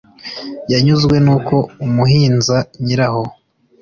yanyuzwe n’uko umuhinza nyiraho